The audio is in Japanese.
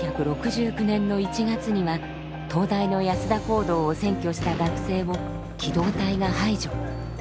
１９６９年の１月には東大の安田講堂を占拠した学生を機動隊が排除。